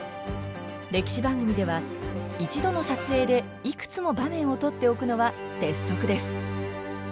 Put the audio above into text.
歴史番組では一度の撮影でいくつも場面を撮っておくのは鉄則です。